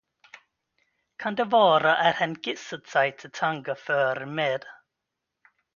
Kan det vara, att han gissat sig till tankar förr med.